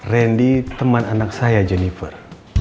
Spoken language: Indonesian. randy teman anak saya jennifer